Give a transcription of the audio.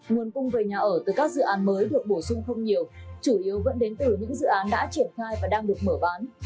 nguồn cung về nhà ở từ các dự án mới được bổ sung không nhiều chủ yếu vẫn đến từ những dự án đã triển khai và đang được mở bán